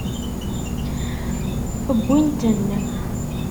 Wwin-ten.